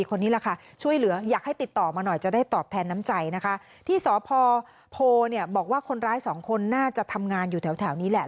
ก็จะทำงานอยู่แถวนี้แหละ